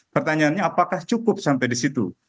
pertanyaannya apakah cukup sampai di situ